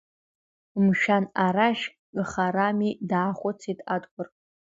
Мшәан, ара шьхарами, даахәыцит Адгәыр.